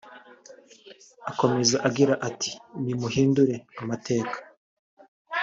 Akomeza agira ati “…ni muhindure amateka